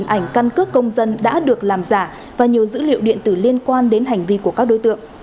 một mươi ảnh căn cước công dân đã được làm giả và nhiều dữ liệu điện tử liên quan đến hành vi của các đối tượng